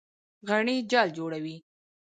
غڼې جال جوړوي.